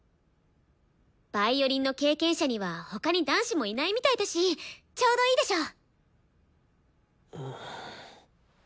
ヴァイオリンの経験者には他に男子もいないみたいだしちょうどいいでしょ。